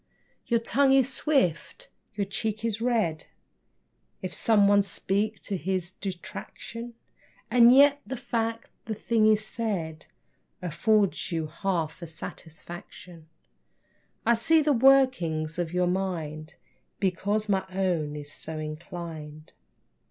Your tongue is swift, your cheek is red, If some one speak to his detraction, And yet, the fact the thing is said Affords you half a satisfaction. I see the workings of your mind Because my own is so inclined.